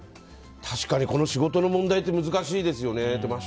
確かに、仕事の問題って難しいですよね。